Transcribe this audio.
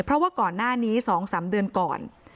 เพราะว่าก่อนหน้านี้๒๓เดือนก่อน